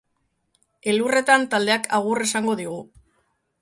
Elurretan taldeak agur esango digu.